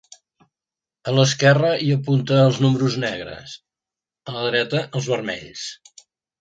A l'esquerra hi apunta els números negres, a la dreta els vermells.